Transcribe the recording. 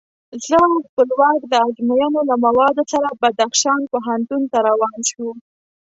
زه او خپلواک د ازموینو له موادو سره بدخشان پوهنتون ته روان شوو.